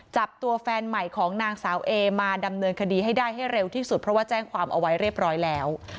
จับตัวแฟนใหม่ของนางสาวเอมาดำเนินคดีให้ได้ให้เร็วที่สุดเพราะว่าแจ้งความเอาไว้เรียบร้อยแล้ว